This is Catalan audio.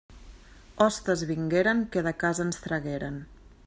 Hostes vingueren que de casa ens tragueren.